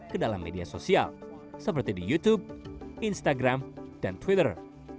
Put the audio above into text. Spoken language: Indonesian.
kedalam media sosial seperti di youtube instagram dan twitter